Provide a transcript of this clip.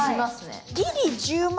ギリ１０万